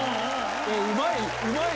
うまい。